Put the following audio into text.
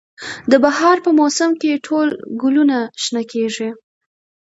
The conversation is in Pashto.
د بهار په موسم کې ټول ګلونه شنه کیږي